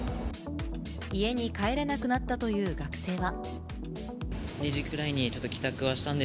家に帰れなくなったという学生は。